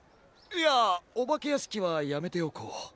いやおばけやしきはやめておこう。